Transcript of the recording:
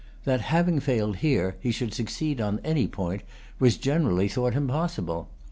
That, having failed here, he should succeed on any point, was generally thought impossible.